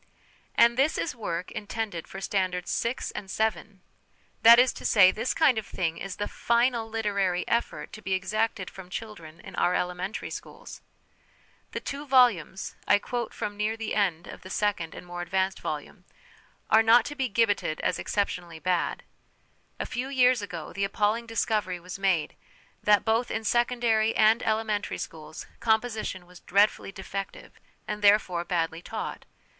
And this is work intended for Standards VI. and VII. ! That is to say, this kind of thing is the final literary effort to be exacted from children in our elementary schools ! The two volumes (I quote from near the end of the second and more advanced volume) are not to be gibbeted as exceptionally bad. A few years ago the appalling discovery was made that, both in secondary and elementary schools, 'composition' was dreadfully defective, and, therefore, badly taught.